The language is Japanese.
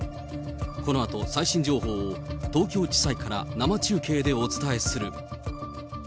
このあと最新情報を、東京地裁から生中継でお伝えする。